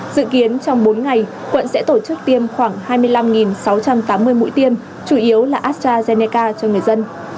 dự kiến trong bốn ngày quận sẽ tổ chức tiêm khoảng hai mươi năm sáu trăm tám mươi mũi tiêm chủ yếu là astrazeneca cho người dân